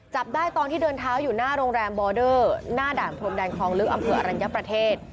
จับได้ตอนที่เดินเท้าอยู่หน้าโรงแรมบอเดอร์หน้าด่านพรมแดนคลองลึกอำเภออรัญญประเทศ